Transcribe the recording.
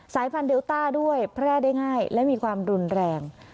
สายพันธุเดลต้าด้วยแพร่ได้ง่ายและมีความรุนแรง